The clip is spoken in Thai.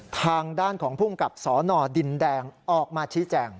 ทางด้านของภูมิกับสนดินแดงออกมาชี้แจง